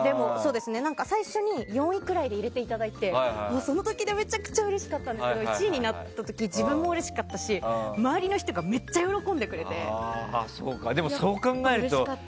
最初に４位くらいで入れていただいてその時めちゃくちゃうれしかったんですけど１位になった時自分もうれしかったし周りの人がめっちゃ喜んでくれてうれしかった。